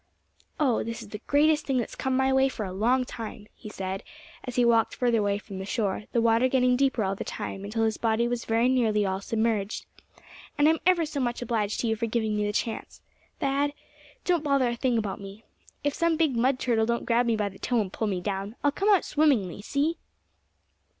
"Oh! this is the greatest thing that's come my way for a long time," he said, as he walked further away from the shore, the water getting deeper all the time until his body was very nearly all submerged; "and I'm ever so much obliged to you for giving me the chance, Thad. Don't bother a thing about me. If some big mud turtle don't grab me by the toe, and pull me down, I'll come out swimmingly, see?"